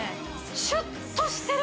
シュッとしてる